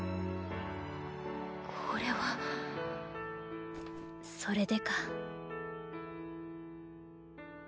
これは。それでか。